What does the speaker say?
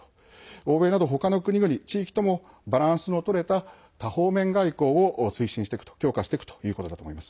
欧米など他の国々、地域ともバランスのとれた多方面外交を推進していくと強化していくということだと思います。